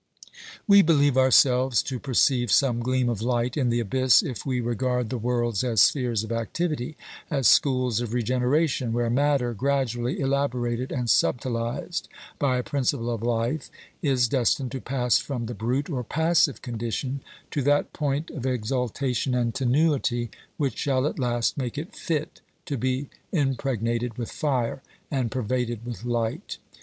We believe ourselves to perceive some gleam of light in the abyss if we regard the worlds as spheres of activity, as schools of regeneration where matter, gradually elaborated and subtilised by a principle of life, is destined to pass from the brute or passive condition to that point of exaltation and tenuity which shall at last make it fit to be impreg nated with fire and pervaded with light.